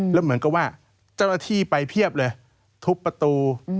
แล้วเหมือนกับว่าเจ้าหน้าที่ไปเพียบเลยทุบประตู